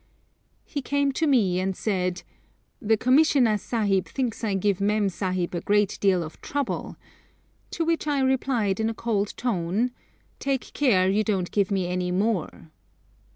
He came to me and said, 'The Commissioner Sahib thinks I give Mem Sahib a great deal of trouble;' to which I replied in a cold tone, 'Take care you don't give me any more.'